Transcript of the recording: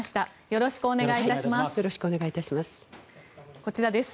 よろしくお願いします。